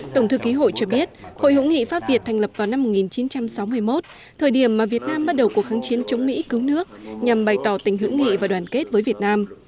tổng thư ký hội cho biết hội hữu nghị pháp việt thành lập vào năm một nghìn chín trăm sáu mươi một thời điểm mà việt nam bắt đầu cuộc kháng chiến chống mỹ cứu nước nhằm bày tỏ tình hữu nghị và đoàn kết với việt nam